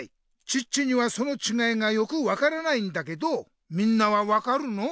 チッチにはそのちがいがよく分からないんだけどみんなは分かるの？